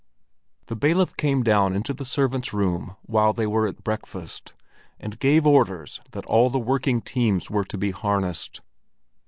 The bailiff came down into the servants' room while they were at breakfast, and gave orders that all the working teams were to be harnessed.